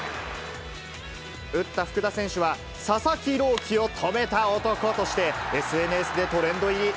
打った福田選手は、佐々木朗希を止めた男として、ＳＮＳでトレンド入り。